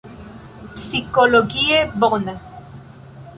Psikologie bona.